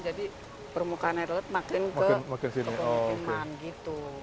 jadi permukaan air laut makin ke kebun keiman gitu